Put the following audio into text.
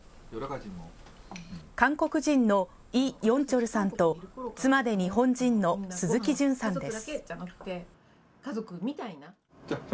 韓国人のイ・ヨンチョルさんと、妻で日本人の鈴木純さんです。